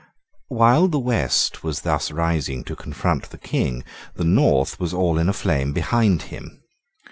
While the West was thus rising to confront the King, the North was all in a flame behind him.